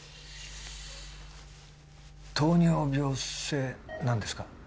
糖尿病性何ですか？